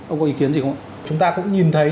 ông có ý kiến gì không chúng ta cũng nhìn thấy